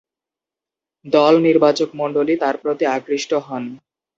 দল নির্বাচকমণ্ডলী তার প্রতি আকৃষ্ট হন।